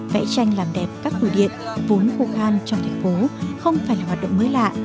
vẽ tranh làm đẹp các tù điện vốn khô khan trong thành phố không phải là hoạt động mới lạ